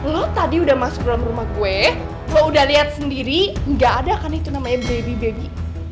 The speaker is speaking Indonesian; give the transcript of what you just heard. lo tadi udah masuk dalam rumah gue lo udah lihat sendiri nggak ada kan itu namanya baby baby